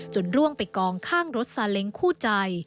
ร่วงไปกองข้างรถซาเล้งคู่ใจ